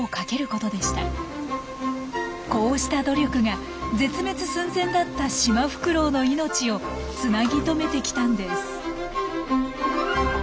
こうした努力が絶滅寸前だったシマフクロウの命をつなぎとめてきたんです。